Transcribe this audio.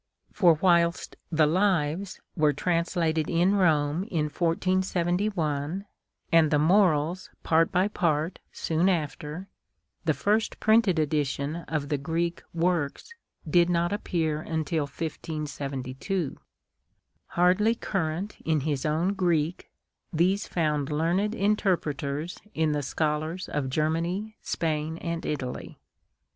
For whilst the " Lives " were translated in Rome in 1471, and the " Morals," part by part, soon after, the first printed edition of the Greek " Works " did not appear until 1572. Hardly current in his own Greek, these found learned interpreters in the scholars of Germany, Spain, and Italy.